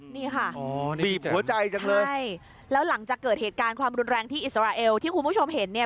นี่ค่ะใช่แล้วหลังจากเกิดเหตุการณ์ความรุนแรงที่อิสราเอลที่คุณผู้ชมเห็นเนี่ย